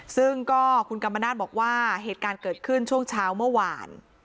ซึ่งก็คุณกรรมนาศบอกว่าเหตุการณ์เกิดขึ้นช่วงเช้าเมื่อวาน